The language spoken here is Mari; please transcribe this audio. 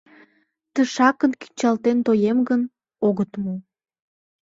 Тышакын кӱнчалтен тоем гын, огыт му.